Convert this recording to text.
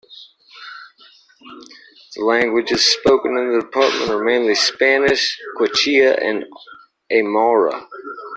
The languages spoken in the department are mainly Spanish, Quechua and Aymara.